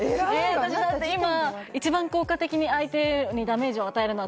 私だって今「一番効果的に相手にダメージを与えるのは」